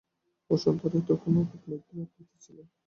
বসন্ত রায় তখন অগাধ নিদ্রা দিতেছিলেন।